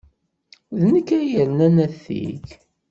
D nekk ay yernan atig.